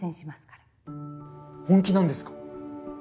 本気なんですか？